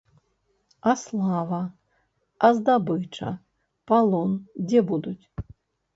А слава, а здабыча, палон дзе будуць?